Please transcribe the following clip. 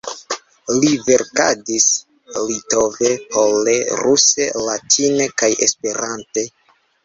Li verkadis litove, pole, ruse, latine kaj Esperante.